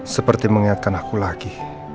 seperti mengingatkan aku lagi